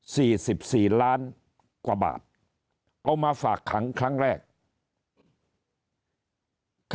สี่สิบสี่ล้านกว่าบาทเอามาฝากขังครั้งแรกก็